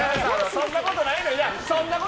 そんなことないで。